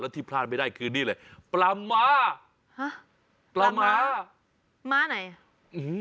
แล้วที่พลาดไม่ได้คืนนี้เลยปลาหมาหาปลาหมาหมาไหนอืม